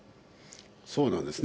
そうなんですね。